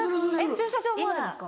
駐車場もあるんですか？